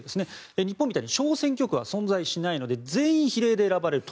日本みたいに小選挙区は存在しないので全員比例で選ばれると。